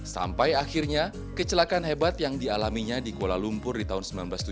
sampai akhirnya kecelakaan hebat yang dialaminya di kuala lumpur di tahun seribu sembilan ratus tujuh puluh